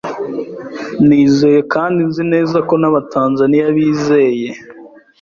Nizeye, kandi nzi neza ko n'Abatanzania bizeye